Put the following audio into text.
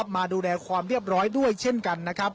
มาดูแลความเรียบร้อยเช่นกัน